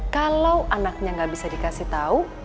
kalau anaknya gak bisa dikasih tau